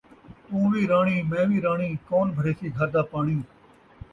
توں وی راݨی میں وی راݨی، کون بھریسی گھر دا پاݨی